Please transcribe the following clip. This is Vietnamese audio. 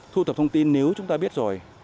thu thập thông tin nếu chúng ta biết rồi